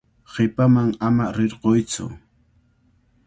Qipaman ama rirquytsu.